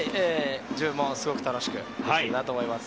自分もすごく楽しくできているなと思います。